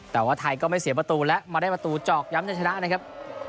แต่ว่าไทยก็ไม่เสียประตูและมาได้ประตูจอกย้ำจะชนะนะครับ